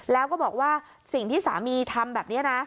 แล้วก็บอกว่าสิ่งที่สามีทำแบบนี้นะ